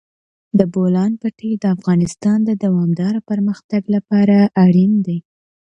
د بولان پټي د افغانستان د دوامداره پرمختګ لپاره اړین دي.